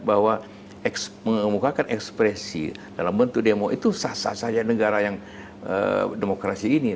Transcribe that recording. bahwa mengemukakan ekspresi dalam bentuk demo itu sah sah saja negara yang demokrasi ini